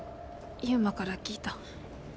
悠真から聞いた。